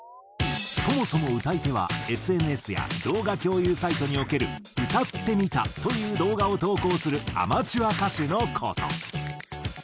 そもそも歌い手はＳＮＳや動画共有サイトにおける「歌ってみた」という動画を投稿するアマチュア歌手の事。